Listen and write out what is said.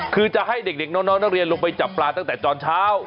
คือจะให้เด็กน้องนักเรียนลงไปจับปลาตั้งแต่ตอนเช้า